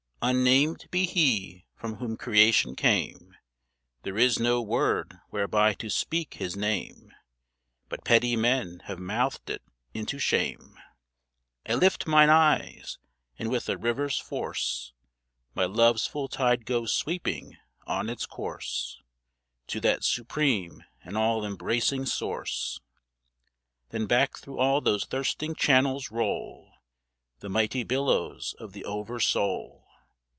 Unnamed be HE from whom creation came; There is no word whereby to speak His name But petty men have mouthed it into shame. I lift mine eyes, and with a river's force My love's full tide goes sweeping on its course To that supreme and all embracing Source. Then back through all those thirsting channels roll The mighty billows of the Over Soul.